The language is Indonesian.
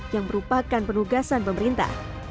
yang merupakan penugasan pemerintah